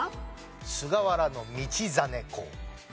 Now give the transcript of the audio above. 菅原道真公。